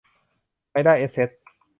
ไมด้า แอสเซ็ท